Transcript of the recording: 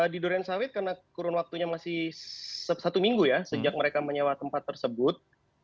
di durian sawit karena kurun waktunya masih satu minggu ya sejak mereka menyewa tempat tersebut